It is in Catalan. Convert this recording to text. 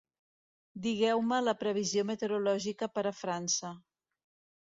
Digueu-me la previsió meteorològica per a França